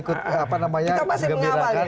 kita masih mengapa